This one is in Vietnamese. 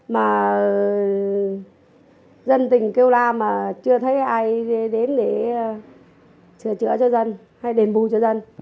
mà dân tình kêu la mà chưa thấy ai đến để sửa chữa cho dân hay đền bù cho dân